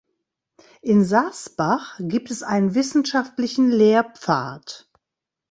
In Sasbach gibt es einen wissenschaftlichen Lehrpfad.